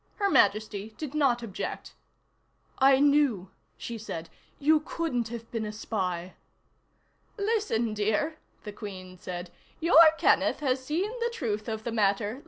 Her Majesty did not object. "I knew," she said. "You couldn't have been a spy." "Listen, dear," the Queen said. "Your Kenneth has seen the truth of the matter.